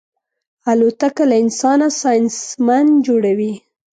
الوتکه له انسانه ساینسمن جوړوي.